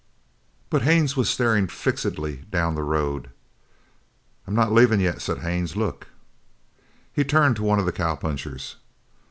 But Haines was staring fixedly down the road. "I'm not leaving yet," said Haines. "Look!" He turned to one of the cowpunchers.